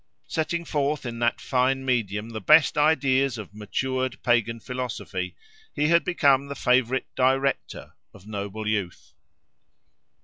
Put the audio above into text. Setting forth in that fine medium the best ideas of matured pagan philosophy, he had become the favourite "director" of noble youth.